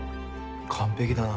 完璧だな。